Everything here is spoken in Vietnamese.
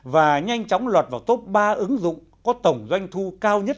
và nhanh chóng lọt vào top ba ứng dụng có tổng doanh thu cao nhất